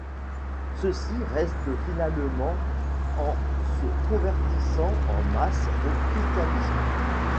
Ceux-ci restent finalement en se convertissant en masse au christianisme.